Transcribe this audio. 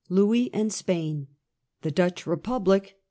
LOUIS AND SPAIN. THE DUTCH REPUBLIC.